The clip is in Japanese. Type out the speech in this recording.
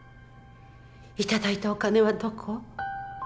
いただいたお金はどこ？